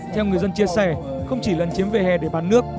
theo người dân chia sẻ không chỉ lần chiếm về hè để bán nước